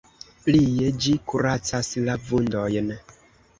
Plie ĝi kuracas la vundojn.